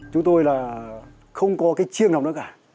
chúng tôi là không có cái chiêng nào nữa cả